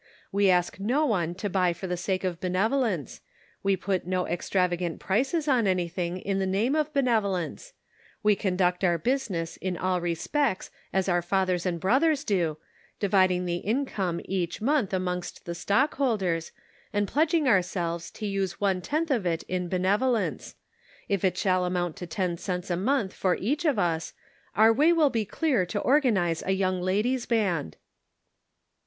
We ask no one to buy for the sake of benevolence ; we put no extravagant prices on anything in the name of benevolence ; we conduct our business in all respects as our fathers and brothers do, 256 The Pocket Measure. dividing the income each month amongst the o o stockholders, and pledging ourselves to use one tenth of it in benevolence ; if it shall amount to ten cents a month for each' of us our way will be clear to organize a Young Ladies' Band."